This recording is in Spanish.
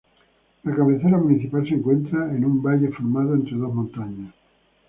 La cabecera municipal se encuentra en un valle formado entre dos montañas.